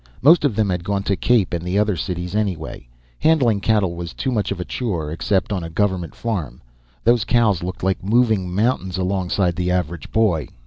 Most of them had gone to Cape and the other cities anyway; handling cattle was too much of a chore, except on a government farm. Those cows looked like moving mountains alongside the average boy.